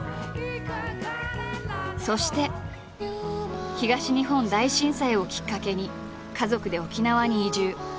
そして東日本大震災をきっかけに家族で沖縄に移住。